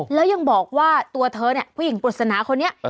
แล้วยังบอกว่าตัวเธอเนี่ยผู้หญิงปริศนาคนนี้